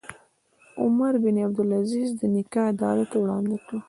عمر بن عبدالعزیز د نیکه عدالت وړاندې کړ.